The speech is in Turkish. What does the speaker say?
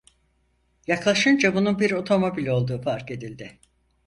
Yaklaşınca bunun bir otomobil olduğu fark edildi.